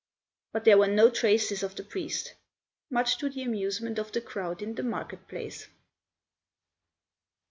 But there were no traces of the priest much to the amusement of the crowd in the market place.